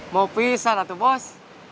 mau pisah atau bos